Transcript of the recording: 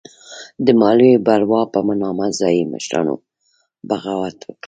د مالیې بلوا په نامه ځايي مشرانو بغاوت وکړ.